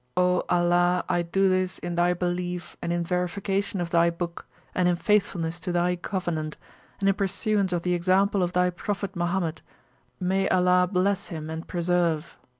O Allah (I do this) in Thy belief and in verification of Thy book, and in faithfulness to Thy covenant, and in pursuance of the example of Thy Prophet Mohammedmay Allah bless Him and preserve!